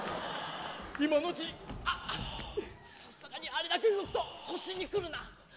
今のうちに、あああれだけ動くと、腰にくるな。